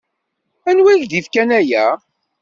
Anwa i yak-d-ifkan aya?